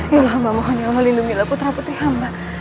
ya allah mohon ya allah lindungilah putra putri hamba